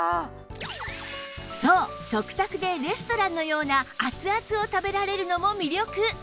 そう食卓でレストランのような熱々を食べられるのも魅力